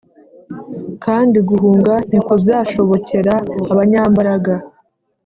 Kandi guhunga ntikuzashobokera abanyambaraga